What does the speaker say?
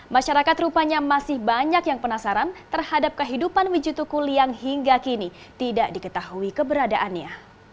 masyarakat rupanya masih banyak yang penasaran terhadap kehidupan wijitukul yang hingga kini tidak diketahui keberadaannya